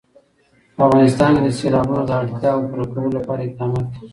په افغانستان کې د سیلابونه د اړتیاوو پوره کولو لپاره اقدامات کېږي.